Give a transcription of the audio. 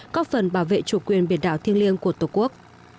có phần bảo vệ chủ quyền biển đảo thiêng liêng của tổ quốc